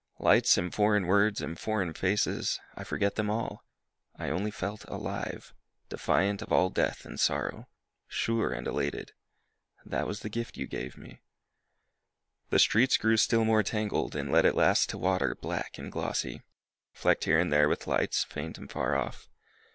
Lights and foreign words and foreign faces, I forgot them all; I only felt alive, defiant of all death and sorrow, Sure and elated. That was the gift you gave me. ... The streets grew still more tangled, And led at last to water black and glossy, Flecked here and there with lights, faint and far off.